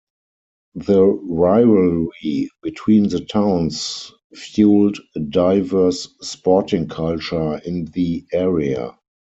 The rivalry between the towns fuelled a diverse sporting culture in the area.